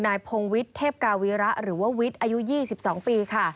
นายพงวิทย์เทพกาวีระหรือว่าวิทย์อายุ๒๒ปีค่ะ